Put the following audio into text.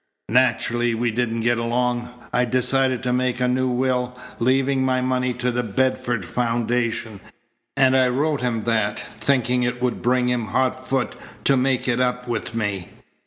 Naturally we didn't get along. I'd decided to make a new will, leaving my money to the Bedford Foundation, and I wrote him that, thinking it would bring him hot foot to make it up with me.